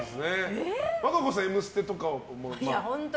和歌子さん「Ｍステ」とかは？